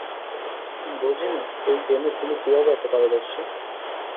বুঝি না এই গেমে তুমি কীভাবে এত পারদর্শী।